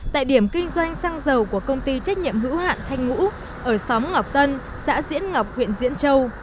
tại điểm kinh doanh xăng dầu của công ty trách nhiệm hữu hạn thanh ngũ ở xóm ngọc tân xã diễn ngọc huyện diễn châu